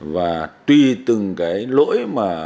và tuy từng cái lỗi